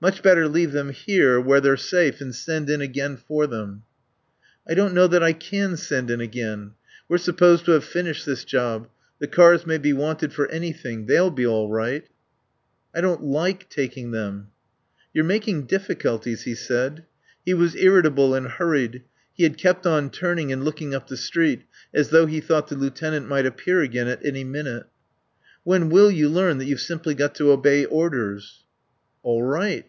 Much better leave them here where they're safe and send in again for them." "I don't know that I can send in again. We're supposed to have finished this job. The cars may be wanted for anything. They'll be all right." "I don't like taking them." "You're making difficulties," he said. He was irritable and hurried; he had kept on turning and looking up the street as though he thought the lieutenant might appear again at any minute. "When will you learn that you've simply got to obey orders?" "All right."